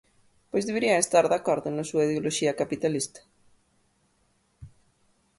Pois deberían estar de acordo na súa ideoloxía capitalista.